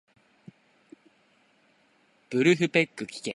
ブルフペックきけ